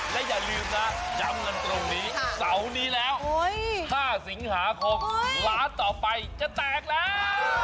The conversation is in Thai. และอย่าลืมนะจำกันตรงนี้เสาร์นี้แล้ว๕สิงหาคมร้านต่อไปจะแตกแล้ว